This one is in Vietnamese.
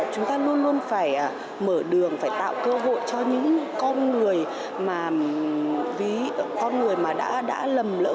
chúng ta luôn luôn phải mở đường phải tạo cơ hội cho những con người mà đã lầm lỡ